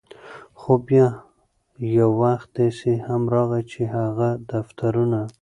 خو بیا یو وخت داسې هم راغے، چې هغه دفترونه